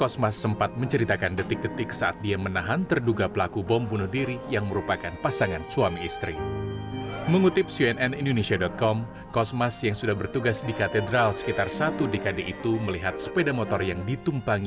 secara khusus menteri agama yakut holil komas juga berterima kasih kepada kosmas